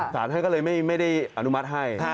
สารท่านก็เลยไม่ได้อนุมัติให้